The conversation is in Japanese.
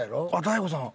「大悟さん